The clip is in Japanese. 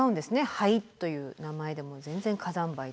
灰という名前でも全然火山灰と。